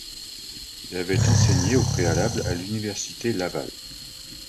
Il avait enseigné au préalable à l'Université Laval.